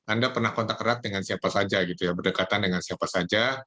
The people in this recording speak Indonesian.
anda pernah kontak erat dengan siapa saja gitu ya berdekatan dengan siapa saja